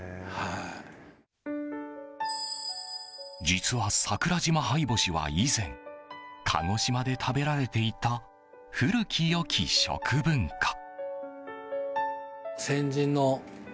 実は桜島灰干しは以前、鹿児島で食べられていた古き良き食文化。